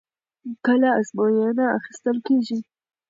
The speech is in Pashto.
کله ازموینه اخیستل کېږي؟